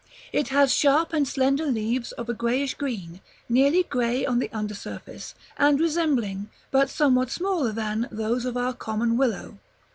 It has sharp and slender leaves of a greyish green, nearly grey on the under surface, and resembling, but somewhat smaller than, those of our common willow.